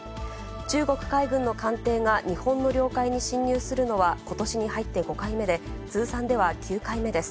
中国海軍の艦艇が日本の領海に侵入するのはことしに入って５回目で、通算では９回目です。